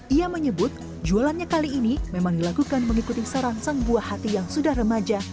ia menyebut jualannya kali ini memang dilakukan mengikuti saran sang buah hati yang sudah remaja